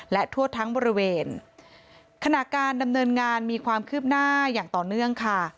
และทั่วทั้งบริเวณขณะการดำเนินงานมีความคืบหน้าอย่างต่อเนื่องค่ะ